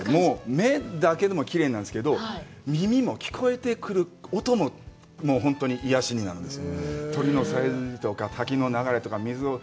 目だけでもきれいなんですけど、耳も聞こえてくる音も本当に癒やしになるんですよ。